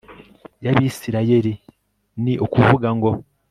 y'abisirayeli. ni ukuvuga ngo